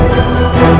aku mau pergi